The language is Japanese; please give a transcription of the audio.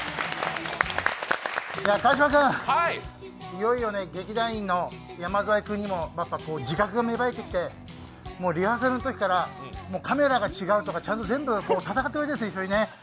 川島君、いよいよね、劇団員の山添君にも自覚が芽生えてきてリハーサルのときからカメラが違うとか、ちゃんと全部戦っていますね。